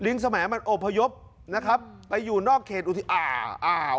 สมัยมันอบพยพนะครับไปอยู่นอกเขตอุทิอ่าอ่า